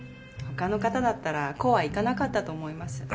他の方だったらこうはいかなかったと思います。